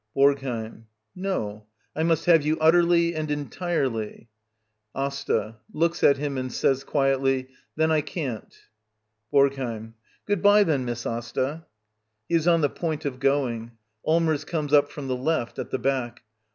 BoRGHBiM. No. I must have you utterly and \ entirely I ^ 'AsTA. [Looks at him and says quietly] Then ''i can't. ^ BoRGHEiM. Good bye then, Miss Asta. [He is on the point of going. Allmers comes up from the left, at the back.